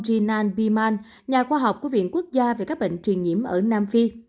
genan biman nhà khoa học của viện quốc gia về các bệnh truyền nhiễm ở nam phi